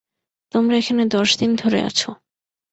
তোমরা এখানে দশ দিন ধরে আছ।